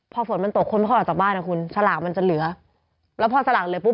พอฝนมันตกคนไม่ค่อยออกจากบ้านนะคุณสลากมันจะเหลือแล้วพอสลากเหลือปุ๊